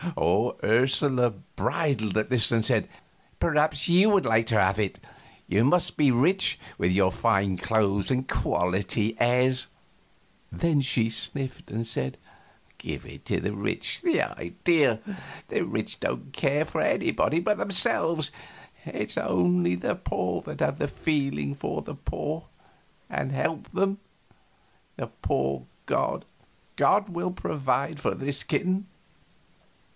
Ursula bridled at this and said: "Perhaps you would like to have it. You must be rich, with your fine clothes and quality airs." Then she sniffed and said: "Give it to the rich the idea! The rich don't care for anybody but themselves; it's only the poor that have feeling for the poor, and help them. The poor and God. God will provide for this kitten."